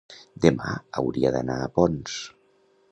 demà hauria d'anar a Ponts.